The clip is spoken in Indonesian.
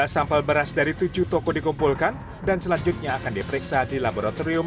tiga belas sampel beras dari tujuh toko dikumpulkan dan selanjutnya akan diperiksa di laboratorium